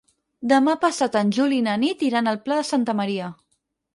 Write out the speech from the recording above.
Demà passat en Juli i na Nit iran al Pla de Santa Maria.